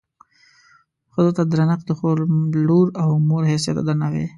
ښځو ته درنښت د خور، لور او مور حیثیت ته درناوی.